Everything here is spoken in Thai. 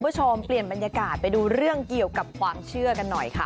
คุณผู้ชมเปลี่ยนบรรยากาศไปดูเรื่องเกี่ยวกับความเชื่อกันหน่อยค่ะ